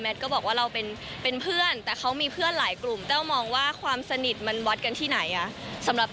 เออมันเป็นเรื่องที่ควบคุมไม่ได้ค่ะ